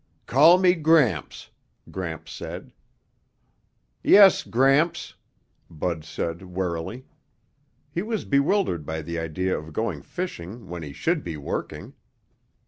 "Call me Gramps," Gramps said. "Yes, Gramps," Bud said warily. He was bewildered by the idea of going fishing when he should be working.